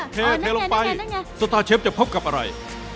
เทลงไปสตาร์เชฟจะพบกับอะไร